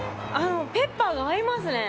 ペッパーが合いますね。